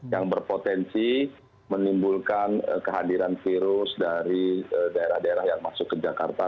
yang berpotensi menimbulkan kehadiran virus dari daerah daerah yang masuk ke jakarta